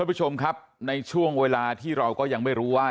ผู้ชมครับในช่วงเวลาที่เราก็ยังไม่รู้ว่า